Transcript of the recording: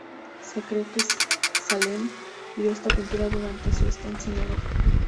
Se cree que Saleh vio esta pintura durante su estancia en Europa.